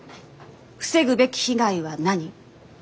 防ぐべき被害は何？